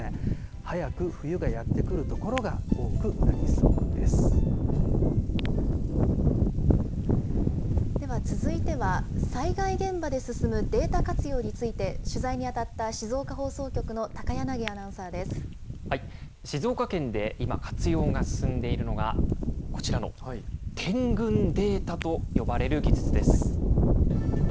早く冬がやって来る所が多くなりでは続いては、災害現場で進むデータ活用について、取材に当たった静岡放送局の高柳アナウン静岡県で今、活用が進んでいるのが、こちらの点群データと呼ばれる技術です。